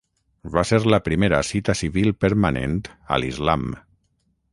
Va ser la primera cita civil permanent a l'Islam.